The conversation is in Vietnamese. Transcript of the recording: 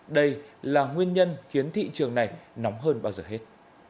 đây là nguyên nhân khiến thị trường này nóng hơn bao giờ hết